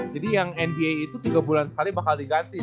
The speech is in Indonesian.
jadi yang nba itu tiga bulan sekali bakal diganti